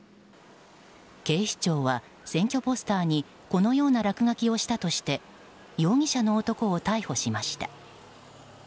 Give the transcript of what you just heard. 警視庁は選挙ポスターにこのような落書きをしたとして容疑者の男を逮捕しました。